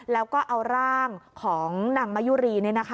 แล้วก็เอาร่างของนางมะยุรี